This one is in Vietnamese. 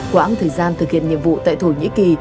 quãng thời gian thực hiện nhiệm vụ tại thổ nhĩ kỳ